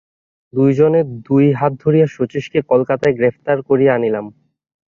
দুইজনে দুই হাত ধরিয়া শচীশকে কলিকাতায় গ্রেপ্তার করিয়া আনিলাম।